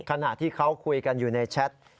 ขณะที่เขาคุยกันอยู่ในแชท